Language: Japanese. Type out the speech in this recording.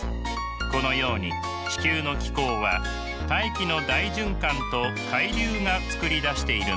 このように地球の気候は大気の大循環と海流がつくり出しているのです。